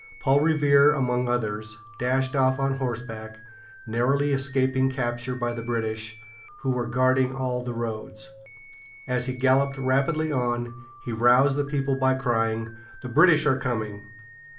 Paul Re vere´, among others, dashed off on horseback, narrowly escaping capture by the British, who were guarding all the roads. As he galloped rapidly on, he roused the people by crying: "The British are coming!"